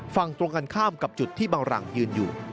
ฝั่งตรงกันข้ามกับจุดที่บังหลังยืนอยู่